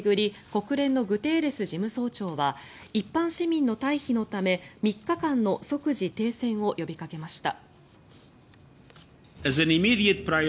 国連のグテーレス事務総長は一般市民の退避のため３日間の即時停戦を呼びかけました。